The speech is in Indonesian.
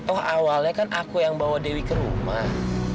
oh awalnya kan aku yang bawa dewi ke rumah